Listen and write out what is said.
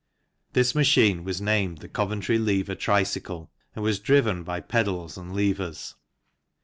This machine was named the Coventry Lever Tricycle, and was driven by pedals and levers.